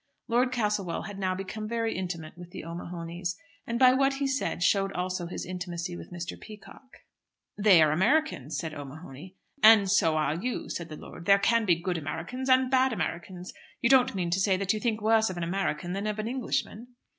Lord Castlewell had now become very intimate with the O'Mahonys; and by what he said showed also his intimacy with Mrs. Peacock. "They are Americans," said O'Mahony. "And so are you," said the lord. "There can be good Americans and bad Americans. You don't mean to say that you think worse of an American than of an Englishman."